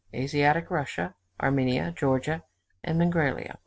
ASIATIC RUSSIA ARMENIA, GEORGIA, AND MINGRELIA.